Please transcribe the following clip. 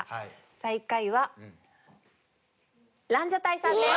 最下位はランジャタイさんです。